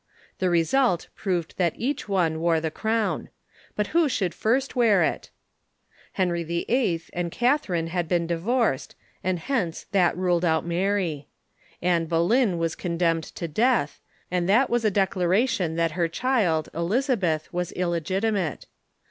The result proved that each one wore the crown. But who should first wear it? Henry VIII. and Catharine had been divorced, and hence that ruled out Mary. Anne Boleyn was condemned to death, and that was a declaration that her child, Elizabeth, was illegiti mate.